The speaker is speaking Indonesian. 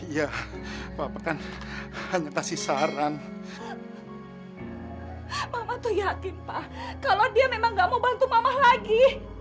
ya bapak kan hanya kasih saran mama tuh yakin pak kalau dia memang gak mau bantu mama lagi